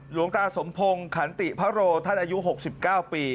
หลวงตาสมพงศ์ขันติพระโรท่านอายุ๖๙ปี